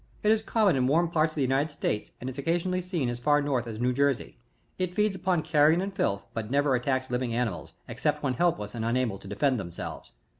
It is common in warm parts of the United States, and is occasionally seen as tar north as IVew Jersey. It feeds upon carrion and filth, but never attacks living animals, except when helpless and unable to defend themselves.